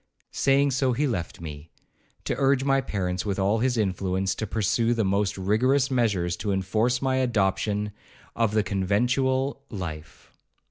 Saying so he left me, to urge my parents, with all his influence, to pursue the most rigorous measures to enforce my adoption of the conventual life.